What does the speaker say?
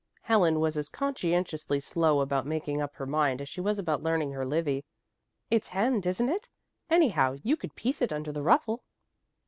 Helen was as conscientiously slow about making up her mind as she was about learning her Livy. "It's hemmed, isn't it? Anyhow you could piece it under the ruffle."